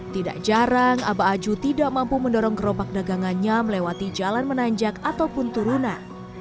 tidak jarang abah aju tidak mampu mendorong gerobak dagangannya melewati jalan menanjak ataupun turunan